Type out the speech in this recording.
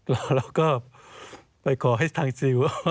เราก็ไปขอให้ทางซิล